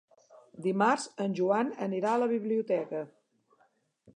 Dimarts en Joan anirà a la biblioteca.